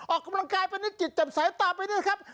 ออกกำลังกายเป็นนักจิตจำใสต่อไปด้วยครับ